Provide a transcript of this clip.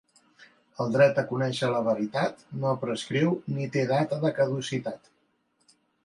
El dret a conèixer la veritat no prescriu ni té data de caducitat.